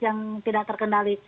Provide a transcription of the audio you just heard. yang tidak terkendali